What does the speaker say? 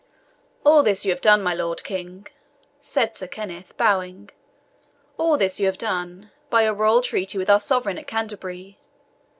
"All this you have done, my Lord King," said Sir Kenneth, bowing "all this you have done, by your royal treaty with our sovereign at Canterbury.